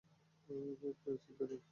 ওকে নিয়ে চিন্তা নেই।